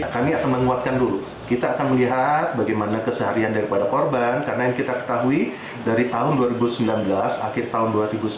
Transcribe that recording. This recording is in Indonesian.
kami akan melihat bagaimana keseharian korban karena yang kita ketahui dari tahun dua ribu sembilan belas akhir tahun dua ribu sembilan belas